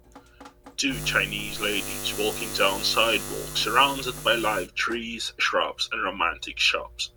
Two chinese ladies walking down sidewalk surrounded by live trees, shrubs, and romantic shops.